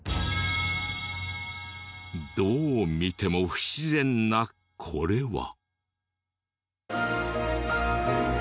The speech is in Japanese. どう見ても不自然なこれは。